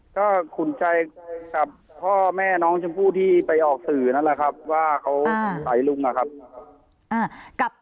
ก็ขุนใจกับพ่อแม่น้องชมพู่ที่ไปออกสื่อนั่นแหละครับว่าเขาสงสัยลุงนะครับ